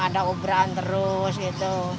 ada uberaan terus gitu